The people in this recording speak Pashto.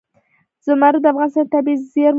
زمرد د افغانستان د طبیعي زیرمو برخه ده.